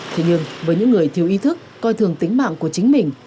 thế nhưng với những người thiếu ý thức coi thường tính mạng của chính mình